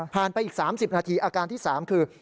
ผ่านไปอีก๓๐นาทีอาการที่สามคือ